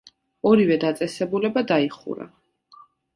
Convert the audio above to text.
ორივე დაწესებულება დაიხურა.